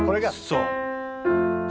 そう。